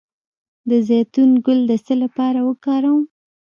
د زیتون ګل د څه لپاره وکاروم؟